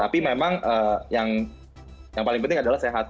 tapi memang yang paling penting adalah sehat